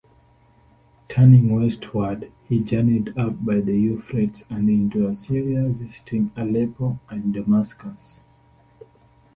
Turning westward, he journeyed up the Euphrates and into Syria, visiting Aleppo and Damascus.